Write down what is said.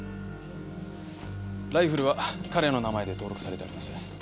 ライフルは彼の名前で登録されております。